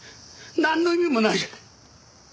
なんの意味もないじゃない。